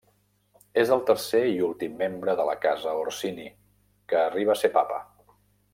És el tercer i últim membre de la casa Orsini que arriba a ser papa.